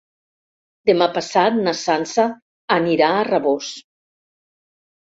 Demà passat na Sança anirà a Rabós.